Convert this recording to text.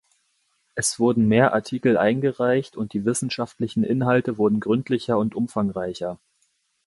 Es wurden mehr Artikel eingereicht und die wissenschaftlichen Inhalte wurden gründlicher und umfangreicher.